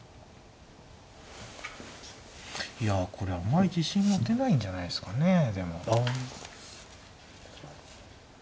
いやこれあんまり自信持てないんじゃないですかねでも。